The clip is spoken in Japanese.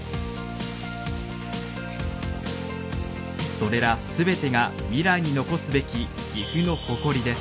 それら全てが未来に残すべき岐阜の誇りです。